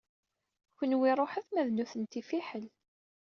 Kenwi ṛuḥet ma d nutenti fiḥel.